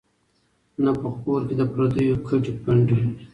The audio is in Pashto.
نه په کور کي د پردیو کډي پنډي